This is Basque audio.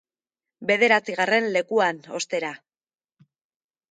Bederatzigarren lekuan, ostera,.